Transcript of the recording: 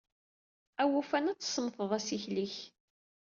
Awufan ad tsemmteḍ assikel-ik.